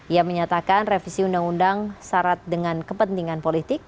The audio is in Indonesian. ia menyatakan revisi undang undang syarat dengan kepentingan politik